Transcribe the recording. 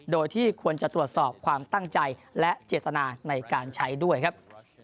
โดยที่ควรจะตรวจสอบความตั้งใจและเจตนาในการใช้ด้วยครับ